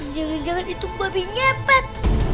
jangan jangan itu kopi ngepet